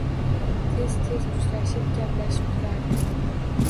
Tez-tez uchrashib, gaplashib turardik